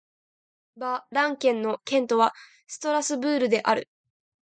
バ＝ラン県の県都はストラスブールである